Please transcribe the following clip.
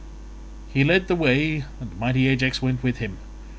He led the way and mighty Ajax went with him.